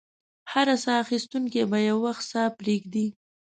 هر ساه اخیستونکی به یو وخت ساه پرېږدي.